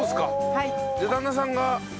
はい。